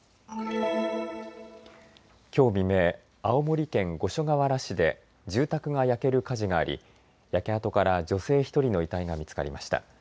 きょう未明、青森県五所川原市で住宅が焼ける火事があり焼け跡から女性１人の遺体が見つかりました。